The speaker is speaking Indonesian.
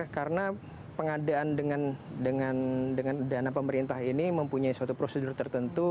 karena pengadaan dengan dana pemerintah ini mempunyai suatu prosedur tertentu